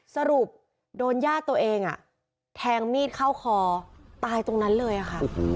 สรุปโดนญาติตัวเองแทงมีดเข้าคอตายตรงนั้นเลยค่ะ